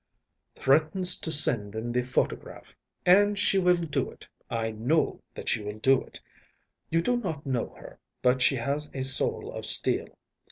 ‚ÄĚ “Threatens to send them the photograph. And she will do it. I know that she will do it. You do not know her, but she has a soul of steel.